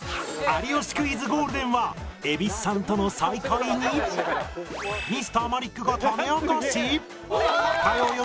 『有吉クイズ』ゴールデンは蛭子さんとの再会に Ｍｒ． マリックがタネ明かし？